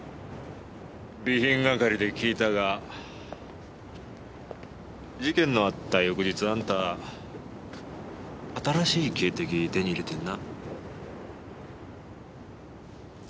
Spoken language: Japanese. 備品係で聞いたが事件のあった翌日あんた新しい警笛手に入れてんな。